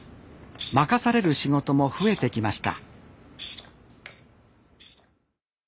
任される仕事も増えてきました